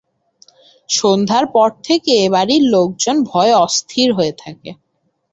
সন্ধ্যার পর থেকে এ-বাড়ির লোকজন ভয়ে অস্থির হয়ে থাকে।